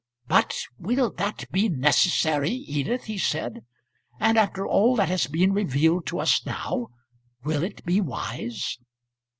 "But will that be necessary, Edith?" he said; "and after all that has been revealed to us now, will it be wise?"